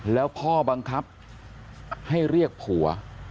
แล้วพ่อบังคับให้เรียกผัว